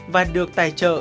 và được tài trợ